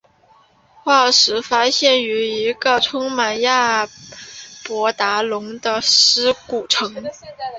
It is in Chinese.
化石发现于一个充满亚伯达龙的尸骨层。